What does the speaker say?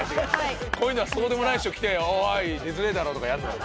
こういうのはそうでもない人来ておーい出づれえだろとかやんのよ。